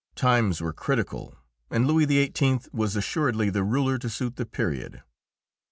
Times were critical, and Louis XVIII. was assuredly the ruler to suit the period.